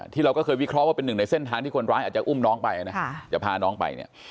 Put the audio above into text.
เราก็เคยวิเคราะห์ว่าเป็นหนึ่งในเส้นทางที่คนร้ายอาจจะอุ้มน้องไปนะจะพาน้องไปเนี่ย